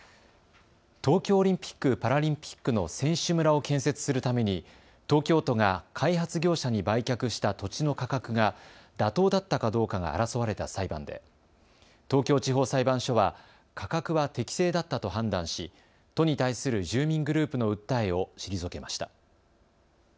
東京オリンピック・パラリンピックの選手村を建設するために東京都が開発業者に売却した土地の価格が妥当だったかどうかが争われた裁判で東京地方裁判所は価格は適正だったと判断し、都に対する住民グループの訴えを退けました。